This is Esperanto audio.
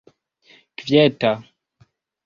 kvieta